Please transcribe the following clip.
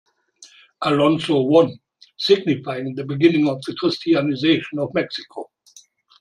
Alonso won, signifying the beginning of the Christianization of Mexico.